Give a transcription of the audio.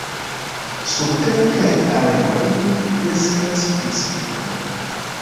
Sur kelkaj areoj kreskas piceoj.